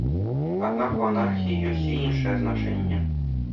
Аднак у анархіі ёсць і іншае значэнне.